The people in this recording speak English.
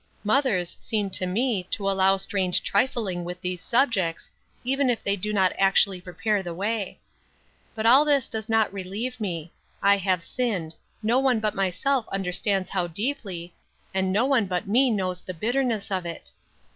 Mothers seem to me to allow strange trifling with these subjects, even if they do not actually prepare the way. But all this does not relieve me. I have sinned; no one but myself understands how deeply, and no one but me knows the bitterness of it.